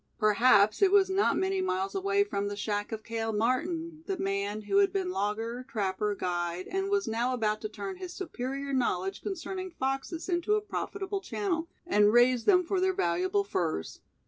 Perhaps it was not many miles away from the shack of Cale Martin, the man who had been logger, trapper, guide, and was now about to turn his superior knowledge concerning foxes into a profitable channel, and raise them for their valuable furs.